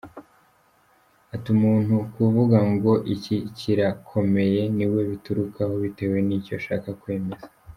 Ati “Umuntu kuvuga ngo iki kirakomeye niwe biturukaho bitewe n’icyo ashaka kwemeza.